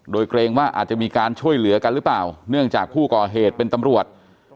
โดยเกรงว่าอาจจะมีการช่วยเหลือกันหรือเปล่าเนื่องจากผู้ก่อเหตุเป็นตำรวจ